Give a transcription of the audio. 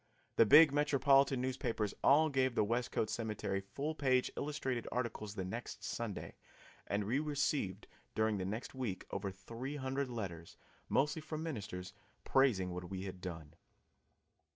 The big metropolitan newspapers all gave the Westcote Cemetery full page illustrated articles the next Sunday, and we received during the next week over three hundred letters, mostly from ministers, praising what we had done.